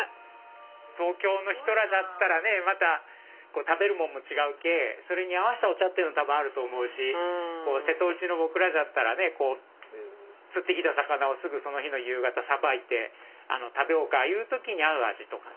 東京の人らじゃったらねまた食べるもんも違うけそれに合わせたお茶っていうの多分あると思うし瀬戸内の僕らじゃったらね釣ってきた魚をすぐその日の夕方さばいて食べようかいう時に合う味とか。